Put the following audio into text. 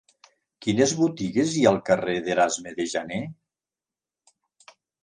Quines botigues hi ha al carrer d'Erasme de Janer?